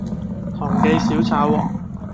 堂記小炒皇